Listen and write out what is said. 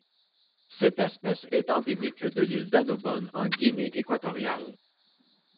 Cette espèce est endémique de l'île d'Annobón en Guinée équatoriale.